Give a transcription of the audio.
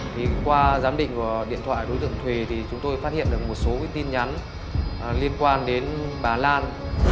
thì qua giám định của điện thoại đối tượng thùy thì chúng tôi phát hiện được một số tin nhắn liên quan đến bà lan